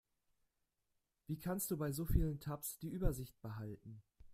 Wie kannst du bei so vielen Tabs die Übersicht behalten?